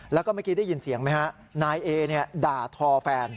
แล้วก็เมื่อกี้ได้ยินเสียงไหมฮะนายเอด่าทอแฟน